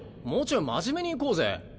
もうちょい真面目にいこうぜ。